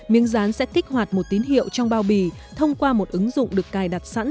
miếng rán sẽ kích hoạt một tín hiệu trong bao bì thông qua một ứng dụng được cài đặt sẵn